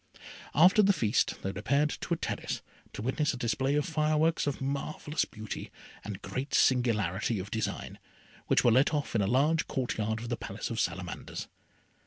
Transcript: After the feast they repaired to a terrace, to witness a display of fireworks of marvellous beauty and great singularity of design, which were let off in a large court yard of the Palace of Salamanders.